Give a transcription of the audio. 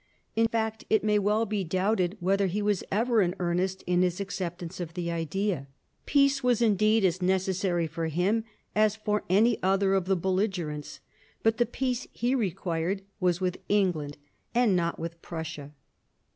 In fact it may well be doubted whether he was ever in earnest in his acceptance of the idea. Peace was indeed as necessary for him as for any other of the belligerents ; but the peace he required was with England and not with Prussia.